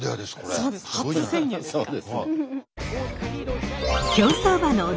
そうです初潜入ですから。